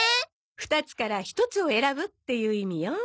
２つから１つを選ぶっていう意味よ。